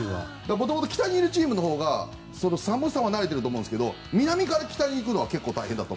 もともと北にいるチームのほうが寒さは慣れてると思いますが南から北に行くのは大変だと。